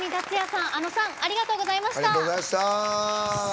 ａｎｏさんありがとうございました。